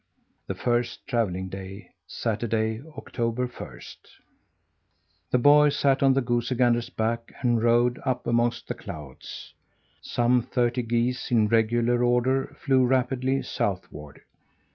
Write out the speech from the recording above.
THE FIRST TRAVELLING DAY Saturday, October first. The boy sat on the goosey gander's back and rode up amongst the clouds. Some thirty geese, in regular order, flew rapidly southward.